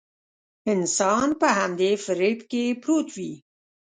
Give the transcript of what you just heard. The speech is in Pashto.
انسان په همدې فريب کې پروت وي.